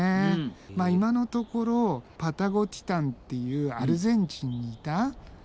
まあ今のところパタゴティタンっていうアルゼンチンにいたやつが。